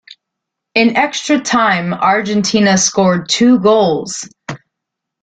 In extra time, Argentina scored two goals.